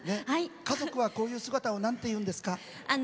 家族はこういう姿をなんて言うんですか？